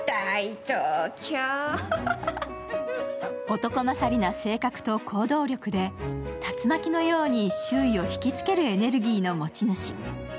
男勝りな性格と行動力で竜巻のように周囲を引きつけるエネルギーの持ち主。